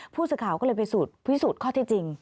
ผู้สื่อข่าวก็เลยไปพิสูจน์ข้อที่จริง